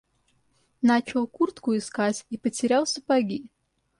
Начал куртку искать и потерял сапоги.